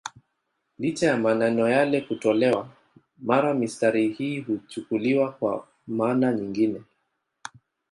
Licha ya maneno yale kutolewa, mara mistari hii huchukuliwa kwa maana nyingine.